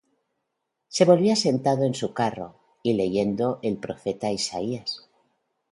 Se volvía sentado en su carro, y leyendo el profeta Isaías.